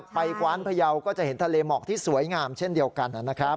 กว้านพยาวก็จะเห็นทะเลหมอกที่สวยงามเช่นเดียวกันนะครับ